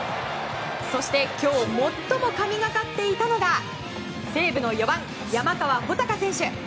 そして今日、最も神懸かっていたのが西武の４番、山川穂高選手。